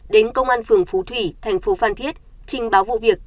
đến công an phường phú thủy thành phố phan thiết trình báo vụ việc